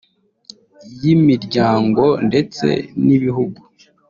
y’imiryango ndetse n’ibihugu